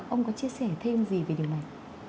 ông có chia sẻ thêm gì về điều này